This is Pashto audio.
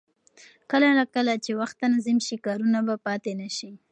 کله نا کله چې وخت تنظیم شي، کارونه به پاتې نه شي.